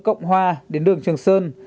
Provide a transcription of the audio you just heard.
cộng hòa đến đường trường sơn